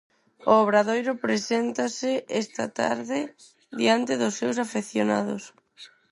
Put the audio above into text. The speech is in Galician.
O Obradoiro preséntase esta tarde diante dos seus afeccionados.